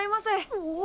おお！